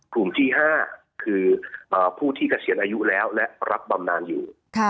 กลุ่มที่๕คือผู้ที่เกษียณอายุแล้วและรับบำนานอยู่